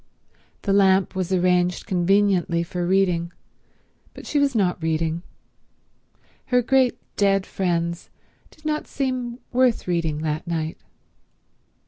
The lamp was arranged conveniently for reading, but she was not reading. Her great dead friends did not seem worth reading that night.